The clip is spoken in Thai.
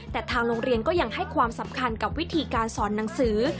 แต่ทางโรงเรียนก็ยังให้ความสำคัญกับวิธีการสอนหนังสือ